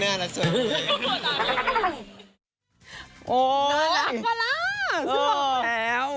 น่ารักมาก